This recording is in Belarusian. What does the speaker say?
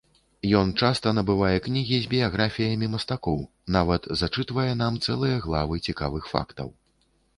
Ён часта набывае кнігі з біяграфіямі мастакоў, нават зачытвае нам цэлыя главы цікавых фактаў.